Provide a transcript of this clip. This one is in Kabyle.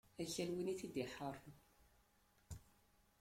Akal win i t-id-iḥeṛṛen.